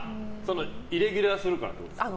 イレギュラーするからってことですか？